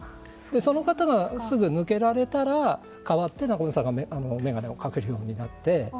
その方が抜けられたら代わって仲本さんが眼鏡をかけるようになって。